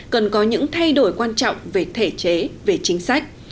cần có những thay đổi quan trọng về thể chế về chính sách